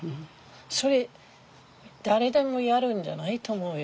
それ誰でもやるんじゃないと思うよ。